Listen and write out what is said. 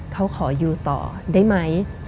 เขาขออยู่ต่อได้ไหม